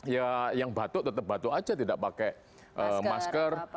ya yang batuk tetap batuk aja tidak pakai masker